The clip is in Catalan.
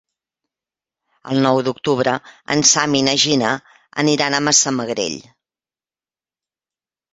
El nou d'octubre en Sam i na Gina aniran a Massamagrell.